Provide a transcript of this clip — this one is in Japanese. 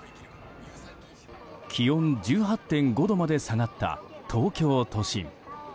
気温１８．５度まで下がった東京都心。